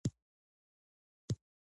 هغه د کتاب لوستلو پر مهال بشپړ تمرکز درلود.